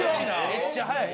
めっちゃ早い。